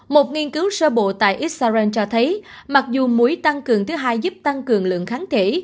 một nghiên cứu sơ bộ tại israel cho thấy mặc dù mũi tăng cường thứ hai giúp tăng cường lượng kháng thể